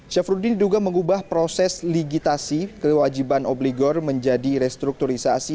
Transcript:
syafruddin diduga mengubah proses ligitasi kewajiban obligor menjadi restrukturisasi